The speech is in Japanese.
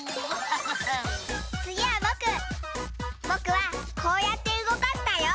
ぼくはこうやってうごかしたよ！